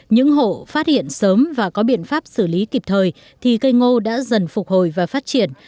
những hộ phát hiện sớm và có biện pháp xử lý kịp thời thì cây ngô đã dần phục hồi và phát triển